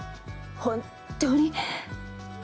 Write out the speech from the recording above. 本当に。